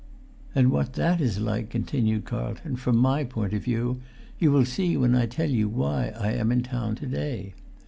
[Pg 370]"And what that is like," continued Carlton, "from my point of view, you will see when I tell you why I am in town to day.